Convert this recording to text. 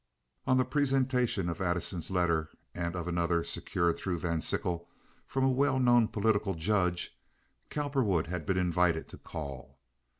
On the presentation of Addison's letter and of another, secured through Van Sickle from a well known political judge, Cowperwood had been invited to call.